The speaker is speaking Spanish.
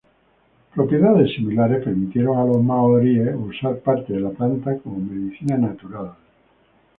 Propiedades similares permitieron a los maoríes usar partes de la planta como medicina natural.